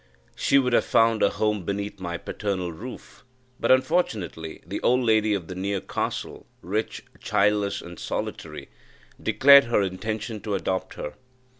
She would have found a home beneath my paternal roof, but, unfortunately, the old lady of the near castle, rich, childless, and solitary, declared her intention to adopt her.